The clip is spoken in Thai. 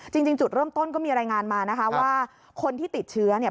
จริงจุดเริ่มต้นก็มีรายงานมานะคะว่าคนที่ติดเชื้อเนี่ย